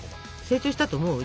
成長したと思う？